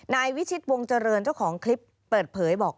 นายวิชิตวงเจริญเจ้าของคลิปเปิดเผยบอก